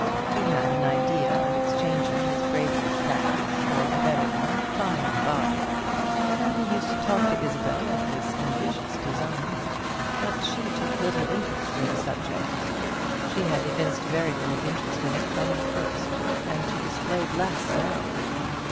He had an idea of exchanging his Graybridge practice for a better one by and by, and he used to talk to Isabel of this ambitious design, but she took little interest in the subject. She had evinced very little interest in it from the first, and she displayed less now.